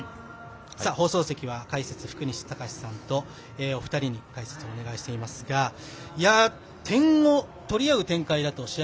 放送席解説は福西崇史さんとお二人に解説をお願いしていますが点を取り合う展開だと、試合